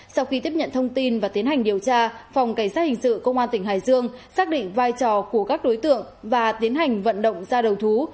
sau khi tiếp nhận thông tin và tiến hành điều tra phòng cảnh sát hình sự công an tỉnh hải dương xác định vai trò của các đối tượng và tiến hành vận động ra đầu thú